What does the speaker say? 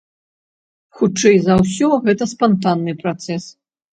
Хутчэй за ўсё, гэта спантанны працэс.